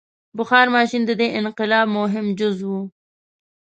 • بخار ماشین د دې انقلاب مهم جز و.